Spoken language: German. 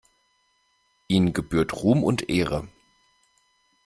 Ihnen gebührt Ruhm und Ehre.